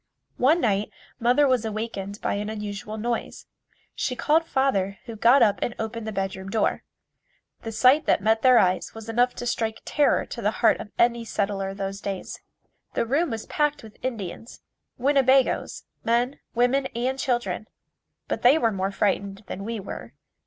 One night mother was awakened by an unusual noise. She called father, who got up and opened the bedroom door. The sight that met their eyes was enough to strike terror to the heart of any settler of those days. The room was packed with Indians Winnebagoes men, women and children, but they were more frightened than we were.